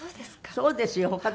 そうですか。